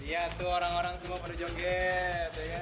dia tuh orang orang semua pada joget ya